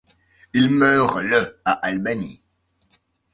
Il meurt le à Albany.